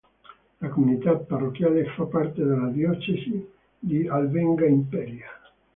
La comunità parrocchiale fa parte della diocesi di Albenga-Imperia.